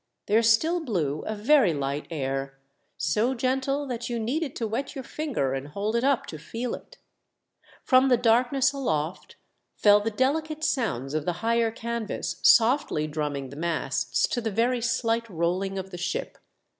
There still blew a very light air, so gentle that you needed to wet your finger and hold it up to feel it. From the darkness aloft fell the delicate sounds of the higher canvas softly drumming the masts to the very slight rolling of the ship.